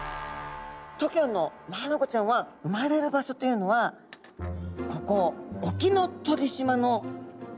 東京湾のマアナゴちゃんは産まれる場所というのはここ沖ノ鳥島の更に南なんですね。